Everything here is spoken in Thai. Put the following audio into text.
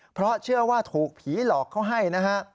เพราะเชื่อว่าถูกผีหลอกเขาให้นะฮะ